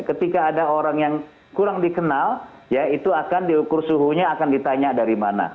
ketika ada orang yang kurang dikenal ya itu akan diukur suhunya akan ditanya dari mana